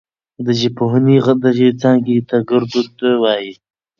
د ژبپوهنې دغې څانګې ته ګړدود وايي.